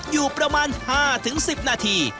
อยู่ประมาณ๕๑๐นาที